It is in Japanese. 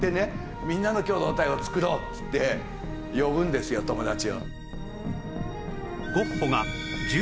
みんなの共同体を作ろうっつって呼ぶんですよ友達を。